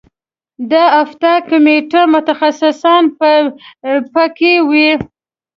د افتا کمیټه متخصصان به په کې وي.